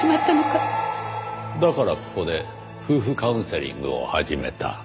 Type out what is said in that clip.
だからここで夫婦カウンセリングを始めた。